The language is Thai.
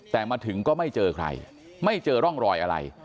แต่มาถึงก็ไม่เจอใครไม่เจอร่องรอยอะไร